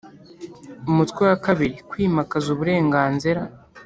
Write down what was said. Umutwe wa kabiri Kwimakaza uburenganzira